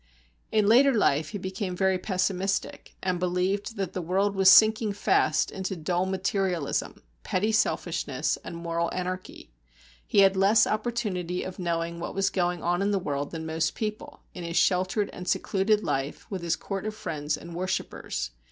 In later life he became very pessimistic, and believed that the world was sinking fast into dull materialism, petty selfishness, and moral anarchy. He had less opportunity of knowing what was going on in the world than most people, in his sheltered and secluded life, with his court of friends and worshippers.